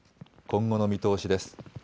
今後の見通しです。